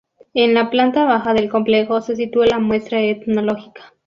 En la planta baja del complejo se sitúa la muestra etnológica.